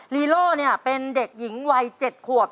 ลีโล่เป็นเด็กหญิงวัย๗ขวบ